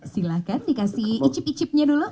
silahkan dikasih icip icipnya dulu